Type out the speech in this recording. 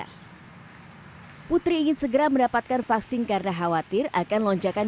hai putri ingin segera mendapatkan vaksin karena khawatir akan lonjakan